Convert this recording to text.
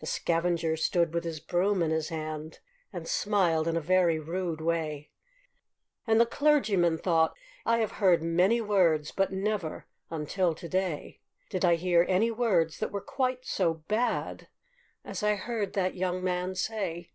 The scavenger stood with his broom in his hand, And smiled in a very rude way; And the clergyman thought, 'I have heard many words, But never, until to day, Did I hear any words that were quite so bad As I heard that young man say.'